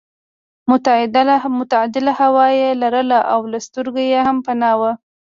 معتدله هوا یې لرله او له سترګو یې هم پناه وه.